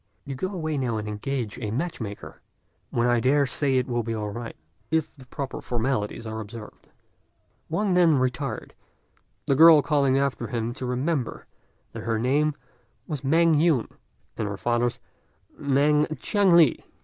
You go away now and engage a match maker, when I dare say it will be all right if the proper formalities are observed." Wang then retired, the girl calling after him to remember that her name was Mêng Yün, and her father's Mêng Chiang li.